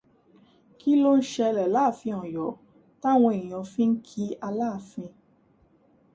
Kí ló ń ṣẹlẹ̀ láàfin Ọyo táwọn èèyàn fi ń ki Aláàfin?